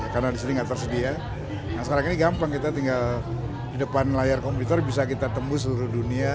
karena disini gak tersedia nah sekarang ini gampang kita tinggal di depan layar komputer bisa kita tembus seluruh dunia